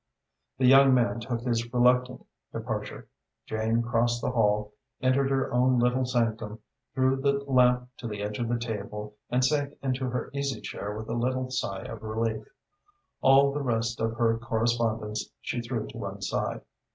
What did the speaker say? The young man took his reluctant departure. Jane crossed the hall, entered her own little sanctum, drew the lamp to the edge of the table and sank into her easy chair with a little sigh of relief. All the rest of her correspondence she threw to one side.